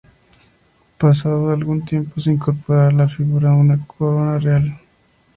Pasado algún tiempo se incorporará a la figura una corona real.